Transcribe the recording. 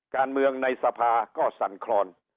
การเมืองในสภาก็สั่นคลอน